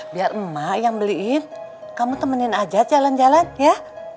biar emak yang beliin kamu temenin aja jalan jalan ya